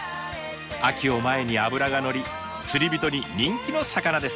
秋を前に脂がのり釣りびとに人気の魚です。